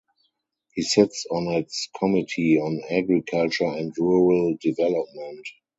He sits on its Committee on Agriculture and Rural Development.